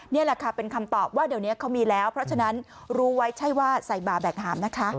นี่แหละค่ะเป็นคำตอบว่าเดี๋ยวนี้เขามีแล้วเพราะฉะนั้นรู้ไว้ใช่ว่าใส่บาร์แบกหามนะคะ